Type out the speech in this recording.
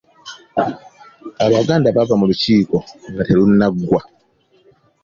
Abaganda baava mu lukiiko nga terunnaggwa.